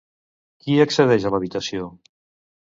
Qui accedeix a l'habitació?